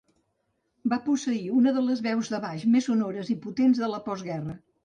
Va posseir una de les veus de baix més sonores i potents de la postguerra.